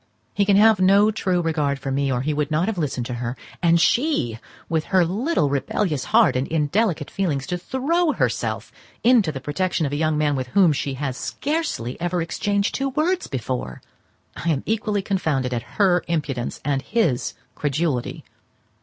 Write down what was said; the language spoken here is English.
He can have no true regard for me, or he would not have listened to her; and she, with her little rebellious heart and indelicate feelings, to throw herself into the protection of a young man with whom she has scarcely ever exchanged two words before! I am equally confounded at her impudence and his credulity.